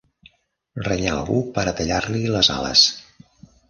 Renyar algú per a tallar-li les ales.